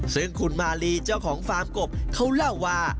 ซึ่งคุณมาลีเจ้าของฟาร์มกบเขาเล่าว่า